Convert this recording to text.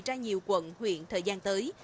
ra nhiều quận huyện thời gian tới